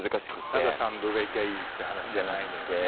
ただ３度上いきゃいいって話じゃないのよね。